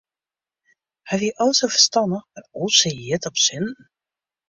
Hy wie o sa ferstannich mar o sa hjit op sinten.